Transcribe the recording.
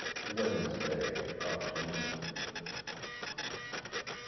WEDNESDAY AFTERNOON.